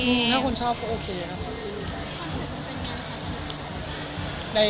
คือถ้าคนชอบก็โอเคนะ